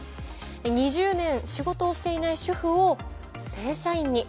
２０年仕事をしていない主婦を正社員に。